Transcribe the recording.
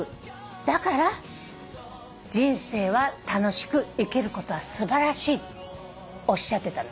「だから人生は楽しく生きることは素晴らしい」おっしゃってたの。